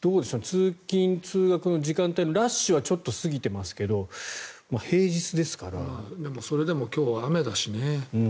通勤・通学の時間帯のラッシュはちょっとすぎてますけどそれでも今日、雨だしね。